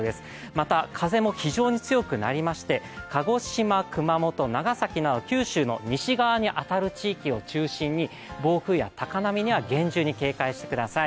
また、風も非常に強くなりまして、鹿児島、熊本、長崎など、九州の西側に当たる地域を中心に暴風や高波には、厳重に警戒してください。